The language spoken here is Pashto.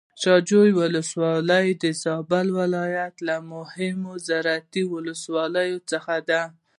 شاه جوی ولسوالي د زابل ولايت له مهمو زراعتي ولسواليو څخه ده.